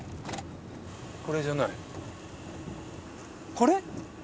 これじゃないこれ？